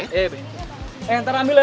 eh bentar ambil ya